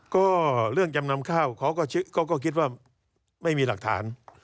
ก็เรื่องจำนำข้าวเขาก็คิดว่าไม่มีหลักฐาน